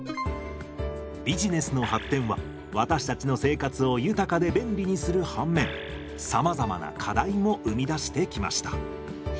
ビジネスの発展は私たちの生活を豊かで便利にする反面さまざまな課題も生み出してきました。